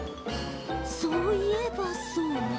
そういえばそうねえ。